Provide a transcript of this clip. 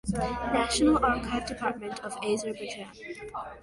National Archive Department of Azerbaijan